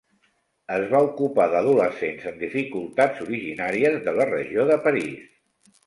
Es va ocupar d'adolescents en dificultats originàries de la regió de París.